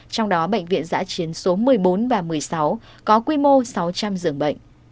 trong đó bệnh viện giã chiến số một mươi bốn và một mươi sáu có quy mô sáu trăm linh giường bệnh